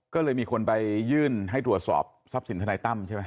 ก็เลยมีคนไปยื่นให้ตรวจสอบทรัพย์สินทนายตั้มใช่ไหม